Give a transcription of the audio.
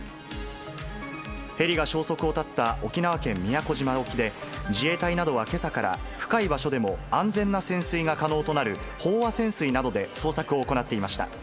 ヘリが消息を絶った沖縄県宮古島沖で、自衛隊などはけさから、深い場所でも安全な潜水が可能となる飽和潜水などで捜索を行っていました。